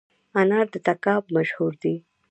انار د تګاب مشهور دي